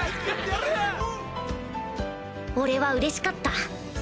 ・俺はうれしかった